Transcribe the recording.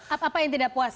apa yang tidak puas